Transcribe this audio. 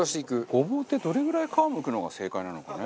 ごぼうってどれぐらい皮むくのが正解なのかね。